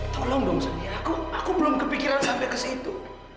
tolong dong saya belum kepikiran sampai ke situ